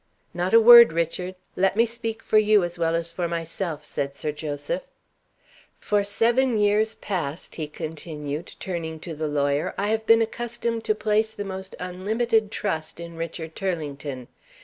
"Not a word, Richard! Let me speak for you as well as for myself," said Sir Joseph. "For seven years past," he continued, turning to the lawyer, "I have been accustomed to place the most unlimited trust in Richard Turlington.